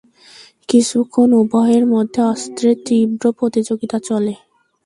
কিছুক্ষণ উভয়ের মধ্যে অস্ত্রের তীব্র প্রতিযোগিতা চলে।